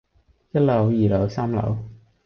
一樓，二樓，三樓